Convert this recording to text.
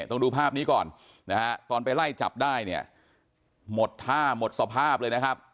ต้องดูภาพนี้ก่อนนะฮะตอนไปไล่จับได้เนี่ยหมดท่าหมดสภาพเลยนะครับ